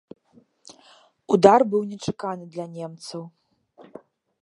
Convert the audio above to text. Удар быў нечаканы для немцаў.